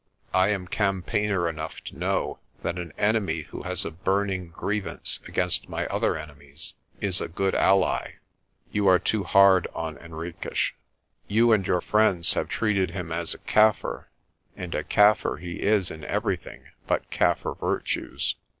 I am campaigner enough to know that an enemy who has a burning grievance against my other enemies is a good ally. You are too hard on Henriques. You and your friends have treated him as a Kaffir, and a Kaffir he is in everything but Kaffir virtues.